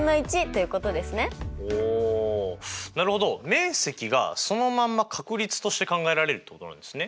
面積がそのまま確率として考えられるってことなんですね。